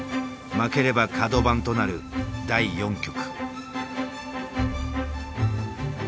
負ければ角番となる第４局。